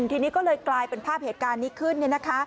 ทีนี้ก็เลยกลายเป็นภาพเหตุการณ์นี้ขึ้น